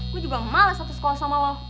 gue juga malas satu sekolah sama lo